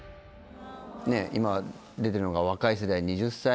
今出てるのが若い世代。